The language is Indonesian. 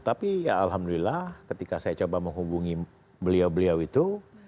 tapi ya alhamdulillah ketika saya coba menghubungi beliau beliau itu